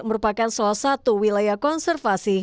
merupakan salah satu wilayah konservasi